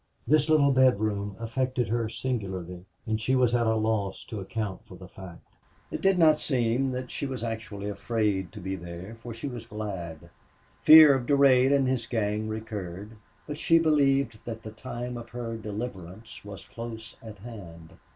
This little bedroom affected her singularly and she was at a loss to account for the fact. It did not seem that she was actually afraid to be there, for she was glad. Fear of Durade and his gang recurred, but she believed that the time of her deliverance was close at hand.